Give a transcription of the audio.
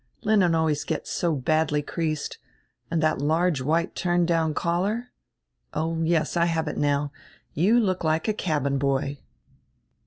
Linen always gets so hadly creased, and diat large white turned down collar — oh, yes, I have it now; you look like a cabin boy."